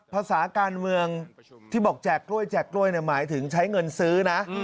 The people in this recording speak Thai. ภาษาการเมืองที่บอกแจกกล้วยแจกกล้วยหมายถึงใช้เงินซื้อนะ